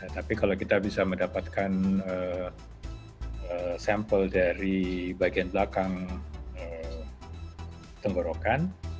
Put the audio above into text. tapi kalau kita bisa mendapatkan sampel dari bagian belakang tenggorokan